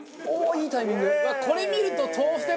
いいタイミング。